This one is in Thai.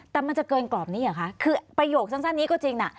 แต่มันจะเกินกรอบนี้เหรอคะคือประโยคสั้นนี้ก็จริงน่ะ